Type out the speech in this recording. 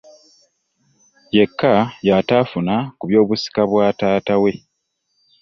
Yeka yataafuna ku byobusika bwa taata we.